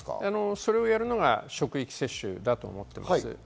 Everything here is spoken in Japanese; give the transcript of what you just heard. それをやるのが職域接種だと思っています。